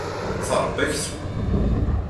Tṛebba aksum.